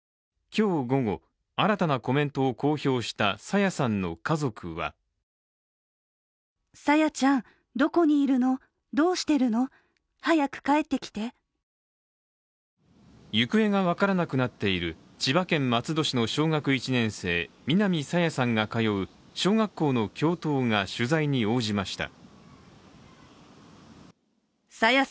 今日午後、新たなコメントを公表した朝芽さんの家族は行方が分からなくなっている千葉県松戸市の小学１年生、南朝芽さんが通う小学校の教頭が取材に応じました。